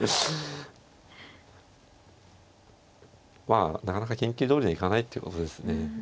まあなかなか研究どおりにはいかないっていうことですね。